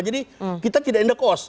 jadi kita tidak in the cost